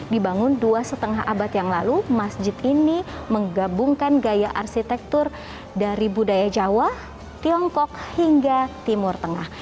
dibangun dua lima abad yang lalu masjid ini menggabungkan gaya arsitektur dari budaya jawa tiongkok hingga timur tengah